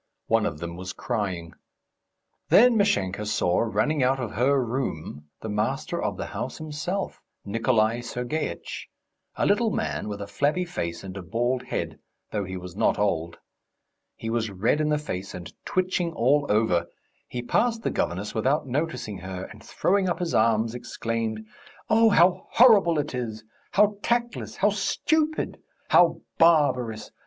One of them was crying. Then Mashenka saw, running out of her room, the master of the house himself, Nikolay Sergeitch, a little man with a flabby face and a bald head, though he was not old. He was red in the face and twitching all over. He passed the governess without noticing her, and throwing up his arms, exclaimed: "Oh, how horrible it is! How tactless! How stupid! How barbarous!